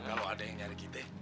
kalau ada yang nyari kita